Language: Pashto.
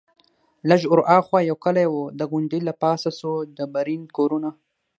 لږ ورهاخوا یو کلی وو، د غونډۍ له پاسه څو ډبرین کورونه.